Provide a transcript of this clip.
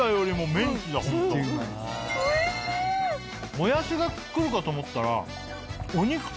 もやしが来るかと思ったら。